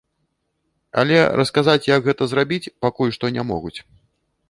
Але расказаць, як гэта зрабіць, пакуль што не могуць.